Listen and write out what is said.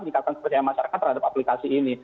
meningkatkan kepercayaan masyarakat terhadap aplikasi ini